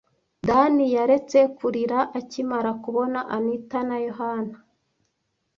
Dan yaretse kurira akimara kubona Anita na Yohana.